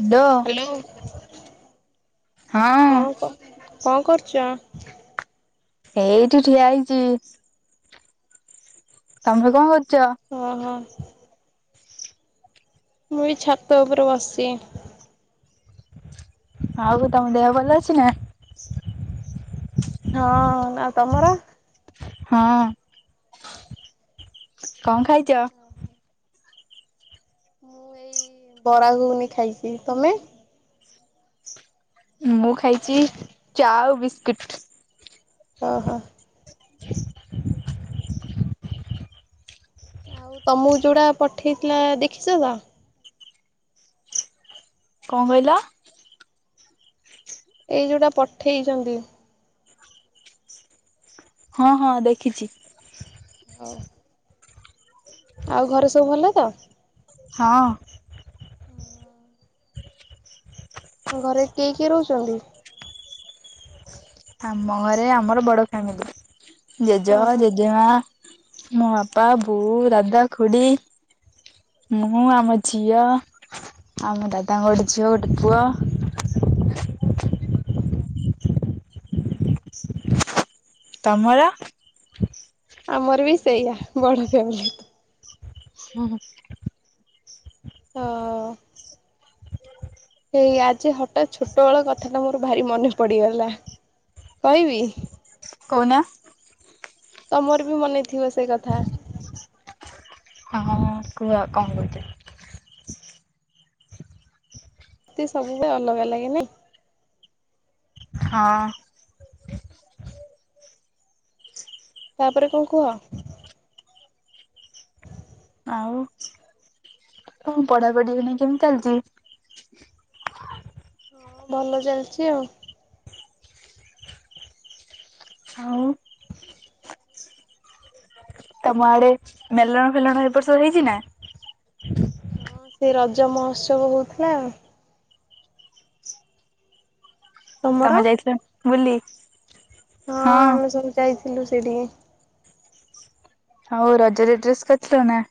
Hello. ହଁ କ, କଣ କରୁଚ? ହେଇଠି ଠିଆ ହେଇଚି। ତମେ କଁ କରୁଛ? ଅ ହ। ମୁଁ ଏଇ ଛାତ ଉପରେ ବସଚି। ଆଉ ତମ ଦେହ ଭଲ ଅଛି ନା? ହଁ ଆଉ ତମର? ହଁ କଣ ଖାଇଚ? ମୁଁ ଏଇ ବରା ଘୁଗୁନି ଖାଇଛି ତମେ? ମୁଁ ଖାଇଚି ଚା ଆଉ ବିସ୍କିଟ୍। ଓହୋ। ଆଉ ତମୁକୁ ଯୋଉଟା ପଠେଇଥିଲା ଦେଖିଛ ତ? କଣ କହିଲ? ଏଇ ଯୋଉଟା ପଠେଇଚନ୍ତି। ହଁ ହଁ ଦେଖିଛି। ହ। ଆଉ ଘରେ ସବୁ ଭଲ ତ? ହଁ। ତମ ଘରେ କିଏ କିଏ ରହୁଛନ୍ତି? ଆମ ଘରେ ଆମର ବଡ ଫ୍ୟାମିଲି ଜେଜେବା ଓହୋ। ଜେଜେମା। ମୋ ବାପା ବୋଉ ଦାଦା ଖୁଡ଼ି। ମୁଁ ଆମ ଝିଅ ଆଉ ମ ଦାଦାଙ୍କ ଗୋଟେ ଝିଅ ଗୋଟେ ପୁଅ। ଓହୋ [inaudible] ତମର? ଆମର ବି ସେଇଆ ବଡ ଫ୍ୟାମିଲି। ହୁଁ ହୁଁ। ହ। ହେଇ ଆଜି ହଠାତ୍ ଛୋଟ ବେଳ କଥା ଟା ମୋର ଭାରି ମନେ ପଡିଗଲା କହିବି? କହୁନ। ତମର ବି ମନେ ଥିବ ସେ କଥା। ହଁ ହଁ ଉଁ କୁହ କଣ କରୁଚ? ତତେ ସବୁବେଳେ ଅଲଗା ଲାଗେ ନା। ହଁ। ତାପରେ କଣ କୁହ? ଆଉ ତମ ପଢାପଢି ଏଇନେ କେମ୍ ଚାଲଚି? ହଁ ଭଲ ଚାଲଚି ଆଉ। ହଉ। ତମ ଆଡେ ମେଲଣ ଫେଲଣ ଏ ବର୍ଷ ହେଇଛି ନା? ହଁ ସେ ରଜ ମହୋତ୍ସବ ହଉଥିଲା। ତମର? ତମେ ଯାଇଥିଲ ବୁଲି? ହଁ ଆମେ ସବୁ ଯାଇଥିଲୁ ସେଠିକି। ହଉ ରଜରେ ଡ୍ରେସ୍ କରଥିଲ ନା?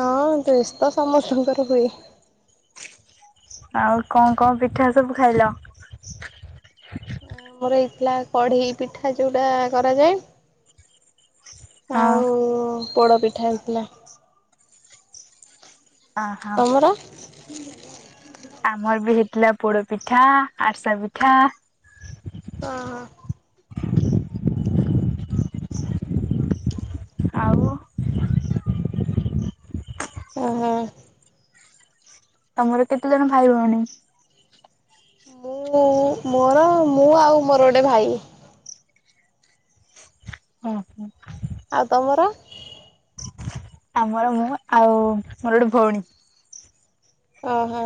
ହଁ ଡ୍ରେସ୍ ତ ସମସ୍ତଙ୍କର ହୁଏ। ଆଉ କଣ କଣ ପିଠା ସବୁ ଖାଇଲ? ଆମର ହେଇଥିଲା କଢ଼େଇ ପିଠା ଯୋଉଟା କରାଯାଏ। ହଁ। ଉ ପୋଡ଼ପିଠା ହେଇଥିଲା। ଅହ। ତମର? ଆମର ବି ହେଇଥିଲା ପୋଡ ପିଠା ଆରସା ପିଠା। ହ ହଁ। ଆଉ। ଓହୋ। ତମର କେତେ ଜଣ ଭାଇ ଭଉଣୀ? ମୁଁ ମୋର ମୁଁ ଆଉ ମୋର ଗୋଟଏ ଭାଇ। ଓ ହୋ। ଆଉ ତମର। ଆମର ମୁଁ ଆଉ ମୋର ଗୋଟେ ଭଉଣୀ। ଓହୋ।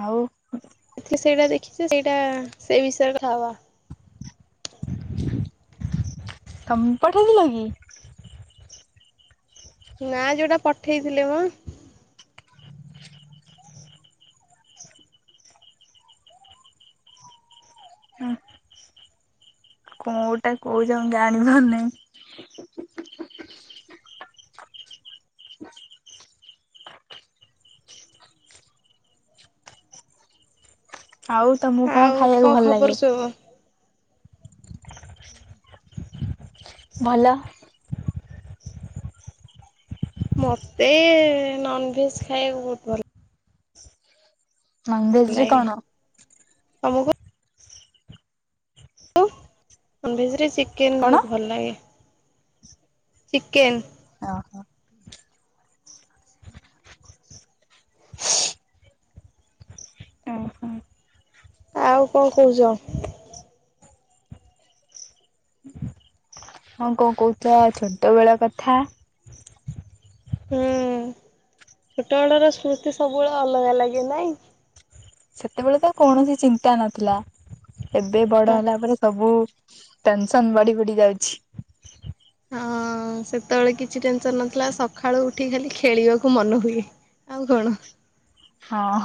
ଆଉ ଏଥି ସେଇଟା ଦେଖିଛି ସେଇଟା ସେ ବିଷୟରେ କଥା ହବା। ତମ ପଠେଇଥିଲ କି? ନା ଯୋଉଟା ପଠେଇଥିଲେ ମ [inaudible] ହୁଁ। କୋଉଟା କୋଉଛ ଜାଣିପାରୁ ନାଇଁ। ଆଉ ତମକୁ କଣ ଆଉ ଖାଇବାକୁ ଭଲ ଖବର ଲାଗେ। ସବୁ? ଭଲ। ମତେ ନଭେଜ୍ ଖାଇବାକୁ ବହୁତ ଭଲ ନନଭେଜ ରେ ଲାଏ କଣ? ତମକୁ? ନଭେଜେରେ ଚିକେନେ ବହୁ କଣ? ଭଲ ଲାଗେ ଚିକେନେ ଓହୋ। ଓ ହୋ। ଆଉ କଣ୍ କହୁଛ। ହଁ କଣ କହୁଛ ଛୋଟ ବେଳ କଥା ହୁଁ ଛୋଟବେଳର ସ୍ମୃତି ସବୁବେଳେ ଅଲଗା ଲାଗେ ନାଇଁ? ସେତେବେଳେ ତ କୌଣସି ଚିନ୍ତା ନଥିଲା ଏବେ ବଡ ହେଲା ପରେ ସବୁ ଟେନସନ ବଢି ବଢି ଯାଉଛି। ହଁ ସେତେବେଳେ କିଛି ଟେନ୍ ସନ ନ ଥିଲା ସକାଳୁ ଉଠି କାଲି ଖେଳିବାକୁ ମନହୁଏ ଆଉ କଣ୍ ହଁ।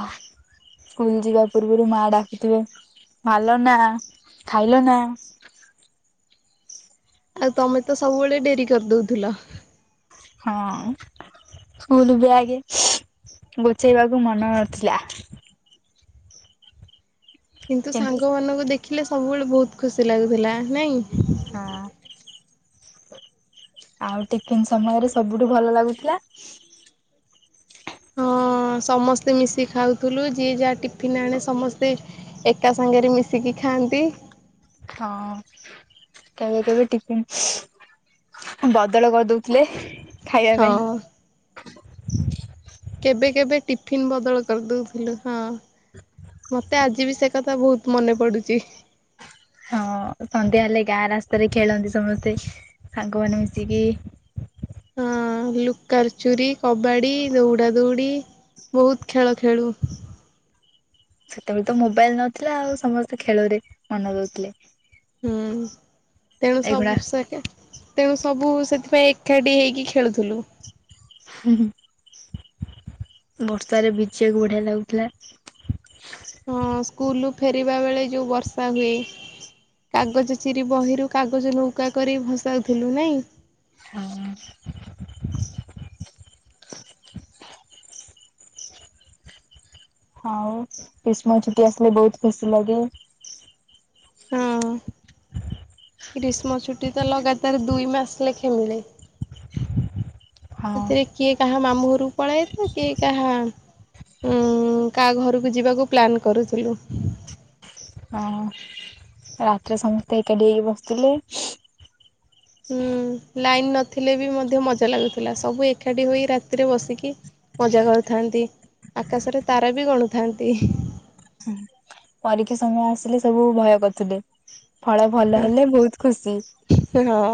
ସ୍କୁଲ ଯିବା ପୂର୍ବରୁ ମା ଡାକୁଥିବେ ଭାଲ ନା ଖାଇଲ ନା ଆଉ ତମେ ତ ସବୁବେଳେ ଡେରି କରିଦଉଥିଲ? ହଁ ସ୍କୁଲ ବି ଆଗେ ଗୁଚେଇବାକୁ ମନ ନଥିଲା। କିନ୍ତୁ ସାଙ୍ଗ ମାନଙ୍କୁ ଦେଖିଲେ ସବୁବେଳେ ବହୁତ ଖୁସି ଲାଗୁଥିଲା ନାଇଁ। ହଁ। ଆଉ ଟିଫନ୍ ସମୟରେ ସବୁଠୁ ଭଲ ଲାଗୁଥିଲା। ହଁ ସମସ୍ତେ ମିଶି ଖାଉଥିଲୁ ଯିଏ ଯାହା ଟିଫିିନ ଆଣେ ସମସ୍ତେ ଏକା ସାଙ୍ଗରେ ମିଶିକି ଖାଆନ୍ତି। ହଁ କେବେ କେବେ ଟିଫନ୍? ବଦଳ କରିଦଉଥିଲେ ଖାଇବା ହଁ ପାଇଁ। କେବେ କେବେ ଟିଫିନ୍ ବଦଳ କରିଦେଉଥିଲୁ ହଁ। ମତେ ଆଜି ବି ସେ କଥା ବହୁତ ମନେ ପଡୁଛି। ହଁ ସନ୍ଧ୍ୟା ହେଲେ ଗାଁ ରାସ୍ତାରେ ଖେଳନ୍ତି ସମସ୍ତେ ସାଙ୍ଗ ମାନ ମିଶିକି। ହଁ ଲୁକା ଚୁରି କବାଡ଼ି ଦୌଡା ଦୌଡ଼ି। ବହୁତ ଖେଳ ଖେଳୁ। ସେତେବେଳୁ ତ ମୋବାଇଲ୍ ନଥିଲା ଆଉ ସମସ୍ତେ ଖେଳରେ ମନ ଦଉଥିଲେ। ହୁଁ ତେଣୁ ଏଇଗୁଡା ସବୁ ସେକେ ତେଣୁ ସବୁ ସେଥିପାଇଁ ଏକାଠି ହେଇକି ଖେଳୁଥୁଲୁ। ହୁଁ ହୁଁ [inaudible] ବର୍ଷାରେ ବିଜିୟାକୁ ବଢ଼ିଆ ଲାଗୁଥିଲା। ହଁ ସ୍କୁଲୁ ଫେରିବା ବେଳେ ଯୋଉଁ ବର୍ଷା ହୁଏ। କାଗଜ ଚିରି ବହିରୁ କାଗଜ ନୌକା କରି ଭସାଉଥୁଲୁ ନାଇଁ? ହଁ ହଁଉ କ୍ରିସ୍ମ ଛୁଟି ଆସିଲେ ବଉତ୍ ଖୁସି ଲାଗେ। କ୍ରୀଷ୍ମ ଛୁଟି ତ ଲଗାତାର ଦୁଇ ମାସ ଲେଖେ ମିଳେ। ହଁ ସେଥିରେ କିଏ କାହା ମାମୁଁ ଘରୁକୁ ପଳାଏ ତ କିଏ କାହା ଉଁ କାହା ଘରୁକୁ ଯିବାକୁ ପ୍ଲାନ୍ କରୁଥିଲୁ। ହଁ ରାତିରେ ସମସ୍ତେ ଏକାଡ଼ି ହେଇକି ବସିଥିଲେ। ହୁଁ ଲାଇନ୍ ନଥିଲେ ବି ମଧ୍ୟ ମଜା ଲାଗୁଥିଲା ସବୁ ଏକାଠି ହୋଇ ରାତିରେ ବସିକି ମଜା କରୁଥାନ୍ତି ଆକାଶରେ ତାରା ବି ଗଣୁଥାନ୍ତି ଇଁହିଁ। ହୁଁ। ପରୀକ୍ଷା ସମୟ ଆସିଲେ ସବୁ ଭୟ କରୁଥିଲେ ଫଳ ଭଲ ହେଲେ ବୋହୁତ୍ ଖୁସି। [unintelligible] ହଁ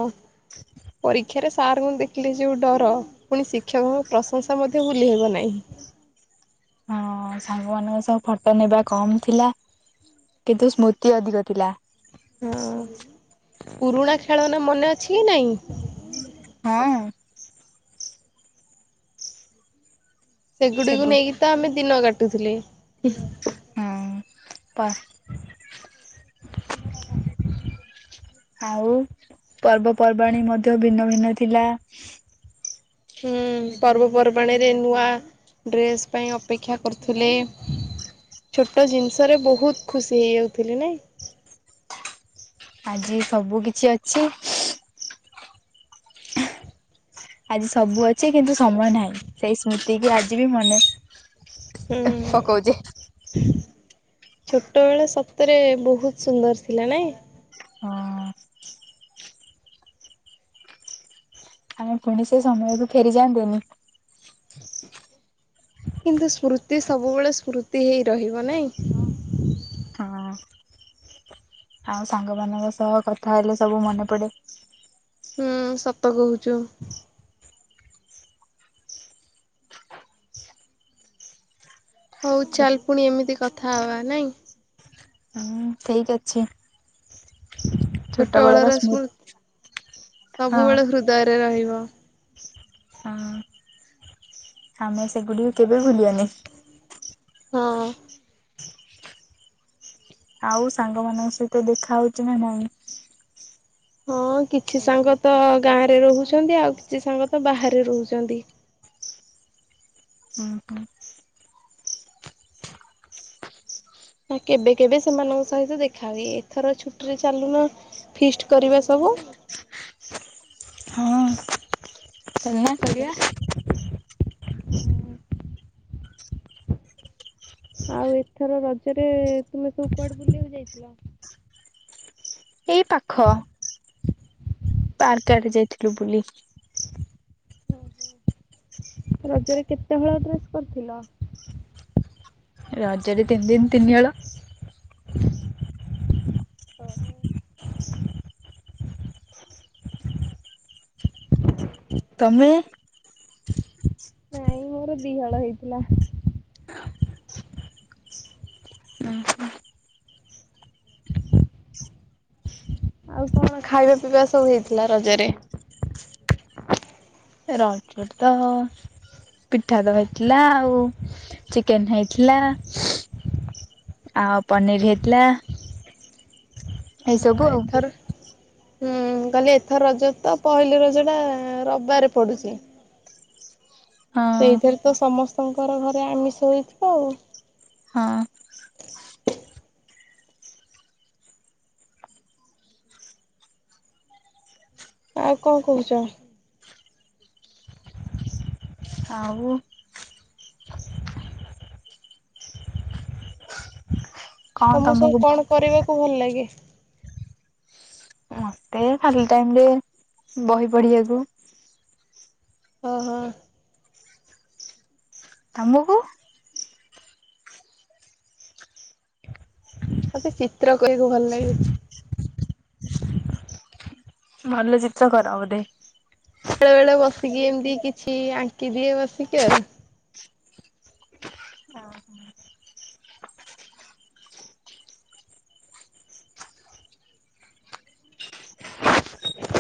ପରୀକ୍ଷାରେ ସାରଙ୍କୁ ଦେଖିଲେ ଯୋଉ ଡ଼ର ପୁଣି ଶିକ୍ଷକଙ୍କ ପ୍ରଶଂସା ମଧ୍ୟ ଭୁଲି ହେବ ନାହିଁ। ହଁ ସାଙ୍ଗମାନଙ୍କ ସହ ଫର୍ତ ନେବା କମ୍ ଥିଲା। କିନ୍ତୁ ସ୍ମୃତି ଅଧିକ ଥିଲା। ହଁ ପୁରୁଣା ଖେଳ ନା ମନେ ଅଛି ନାଇଁ? ହଁଅଁ ସେଗୁଡ଼ିକୁ ସେଗୁ ନେଇକି ତ ଆମେ ଦିନ କାଟୁଥିଲେ ହୁ। ହୁଁ ପା ଆଉ ପର୍ବପର୍ବାଣିୀ ମଧ୍ୟ ଭିନ୍ନ ଭିନ୍ନ ଥିଲା। ପର୍ବପର୍ବାଣିରେ ନୂଆ ଡ୍ରେସ୍ ପାଇଁ ଅପେକ୍ଷା କରୁଥିଲେ। ଛୋଟ ଜିନିଷରେ ବହୁତ୍ ଖୁସି ହେଇଯାଉଥିଲି ନାଇଁ। ଆଜି ସବୁ କିଛି ଅଛି ଆଜି ସବୁ ଅଛି କିନ୍ତୁ ସମୟ ନାହିଁ ସେଇ ସ୍ମୃତି କି ଆଜି ବି ମନେ ହୁଁ ହୁଁ ପକଉଛେ ହୁଁ [inaudible] ଛୋଟ ବେଳେ ସତରେ ବହୁତ୍ ସୁନ୍ଦର ଥିଲା ନାଇଁ? ହଁ ଆମେ ପୁଣି ସେ ସମୟକୁ ଫେରିଯାଆନ୍ତେନି? କିନ୍ତୁ ସ୍ମୃତି ସବୁବେଳେ ସ୍ମୃତି ହେଇ ରହିବ ନାଇଁ? ହଁ ଆଉ ସାଙ୍ଗମାନଙ୍କ ସହ କଥା ହେଲେ ସବୁ ମନେ ପଡ଼େ। ହୁଁ ସତ କହୁଛୁ। ହଉ ଚାଲ୍ ପୁଣି ଏମିତି କଥା ହବା ନାଇଁ? ହୁଁ ଠିକ୍ ଅଛି [inaudible] ଛୋଟବେଳର ସ୍ମୃତି ସ୍ମୃତ୍ ହଁ ସବୁବେଳେ ହୃଦୟରେ ରହିବ। [inaudible] ହଁ ଆମେ ସେଗୁଡ଼ିକୁ କେବେ ଭୁଲିଆନି। ହଁ। ଆଉ ସାଙ୍ଗମାନଙ୍କ ସହିତ ଦେଖା ହଉଛି ନା ନାଇଁ? ହଁ କିଛି ସାଙ୍ଗ ତ ଗାଁରେ ରହୁଛନ୍ତି ଆଉ କିଛି ସାଙ୍ଗ ତ ବାହାରେ ରହୁଚନ୍ତି। ହୁଁ ହୁଁ ହେଁ କେବେ କେବେ ସେମାନଙ୍କ ସହିତ ଦେଖା ହଏ ଏଥର ଛୁଟି ରେ ଚାଲୁନ ଫିଷ୍ଟ କରିବା ସବୁ ହଁ। କଣ କରିବା? ଆଉ ଏଥର ରଜରେ ତୁମେ ସବୁ କୁଆଡ଼େ ବୁଲିଆକୁ ଯାଇଥିଲ? ଏଇ ପାଖ ପାର୍କ ଆଡ଼େ ଯାଇଥିଲୁ ବୁଲି। ରଜରେ କେତେ ହଳ ଡ୍ରେସ୍ କରିଥିଲ? ରଜରେ ତିନ୍ ଦିନ୍ ତିନିହଳ। ଓହ ତମେ? ନାଇଁ ମୋର ଦି ହଳ ହେଇଥିଲା। ଆଉ କଣ ଖାଇବା ପିଇବା ସବୁ ହେଇଥିଲା ରଜରେ? ରଜ ତ ପିଠା ଦ ହେଇଥିଲା ଆଉ ଚିକେନ୍ ହେଇଥିଲା। ଆଉ ପନିର୍ ହେଇଥିଲା, ଏଇ ସବୁ ହଁ ଆଉ ଏଥର ହୁଁ କାଲି ଏଥର ରଜ ତ ପହିଲି ରଜ ଟା ରବାରେ ପଡ଼ୁଛି। ଏଇଥର ତ ସମସ୍ତଙ୍କର ଘରେ ଆମିଷ ହୋଇଥିବ ଆଉ। ହଁ। ଆଉ କଣ କହୁଛ? ଆଉ କଣ ତମୁକୁ ସବୁ ତମକୁ କଣ କରିବାକୁ ଭଲ ଲାଗେ? ମତେ ଖାଲି ଟାଇମ୍ ରେ ବହି ପଢ଼ିବାକୁ ଓହ ତମୁକୁ? ମତେ ଚିତ୍ର କରିବାକୁ ଭଲ ଲାଗେ। ଭଲ ଚିତ୍ର କର ବୋଧେ? ବେଳେବେଳେ ବସିକି ଏମିତି କିଛି ଆଙ୍କି ଦିଏ ବସିକି ଆଉ। ଅହୋ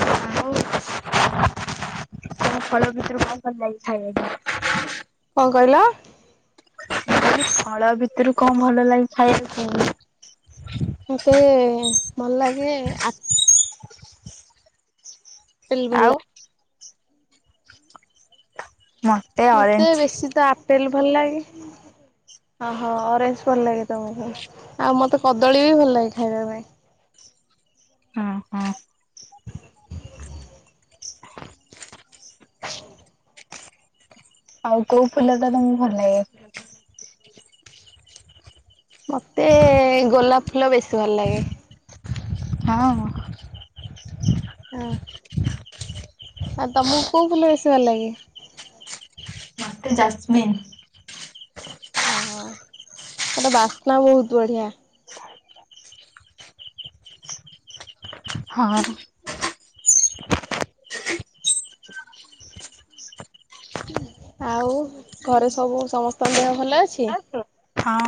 ଆଉ [unintelligible] କଣ କହିଲ? କହିଲି ଫଳ ଭିତୁରୁ କଣ ଭଲ ଲାଗେ ଖାଇବାକୁ? ମତେ ଭଲ ଲାଗେ ଆ ପେଲ୍ ଭଲ ଲା ଆଉ ହଁ। ମତେ ବେଶୀ ତ ଆପେଲ୍ ଭଲ ଲାଗେ। ଅହ ଅରେଞ୍ଜ ଭଲ ଲାଗେ ତମୁକୁ। ଆଉ ମତେ କଦଳୀ ବି ଭଲ ଲାଗେ ଖାଇବା ପାଇଁ। ହଁ ହଁ। [inaudible] ଆଉ କୋଉ ଫୁଲ ଟା ତମୁକୁ ଭଲ ଲାଗେ? ମତେ ଗୋଲାପ ଫୁଲ ବେଶୀ ଭଲ ଲାଗେ। ହଁ ହଁ। ହଁ ଆଉ ତମୁକୁ କୋଉ ଫୁଲ ବେଶୀ ଭଲ ଲାଗେ? ମୋତେ ଜାସ୍ମିିନ୍। ଓହୋ। ତାର ବାସ୍ନା ବହୁତ ବଢିଆ। ହଁ। ଆଉ ଘରେ ସବୁ ସମସ୍ତଙ୍କ ଦେହ ଭଲ ଅଛି? ହଁ।